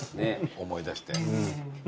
思い出して。